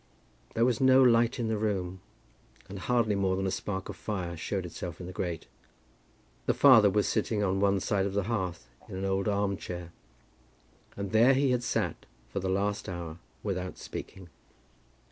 There was no light in the room, and hardly more than a spark of fire showed itself in the grate. The father was sitting on one side of the hearth, in an old arm chair, and there he had sat for the last hour without speaking.